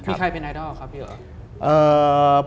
มีใครเป็นไอดอลหรือครับเฮีย